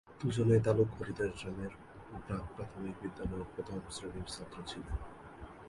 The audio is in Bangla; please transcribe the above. দুজনেই তালুক হরিদাস গ্রামের ব্র্যাক প্রাকপ্রাথমিক বিদ্যালয়ের প্রথম শ্রেণির ছাত্র ছিল।